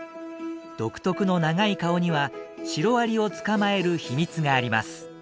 独特の長い顔にはシロアリを捕まえる秘密があります。